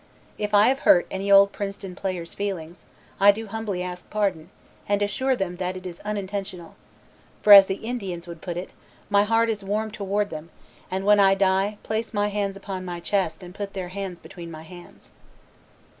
If I have hurt any old Princeton players' feelings, I do humbly ask pardon and assure them that it is unintentional; for as the Indians would put it, my heart is warm toward them, and, when I die, place my hands upon my chest and put their hands between my hands.